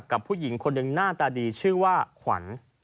คนหนึ่งหน้าตาดีชื่อว่าขวัญ